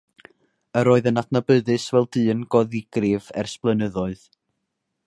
Yr oedd yn adnabyddus fel dyn go ddigrif ers blynyddoedd.